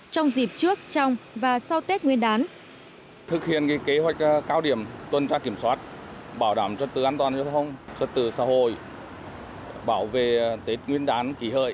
trong dịp trước trong và sau tết nguyên đán